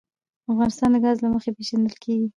افغانستان د ګاز له مخې پېژندل کېږي.